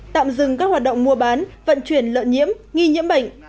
tạm dừng các hoạt động mua bán vận chuyển lợn nhiễm nghi nhiễm bệnh